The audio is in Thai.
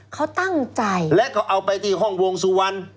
เขาตั้งใจและก็เอาไปที่ห้องวงสุวรรณ